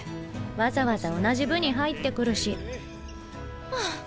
わざわざ同じ部に入ってくるしハァ。